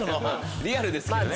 リアルですけどね。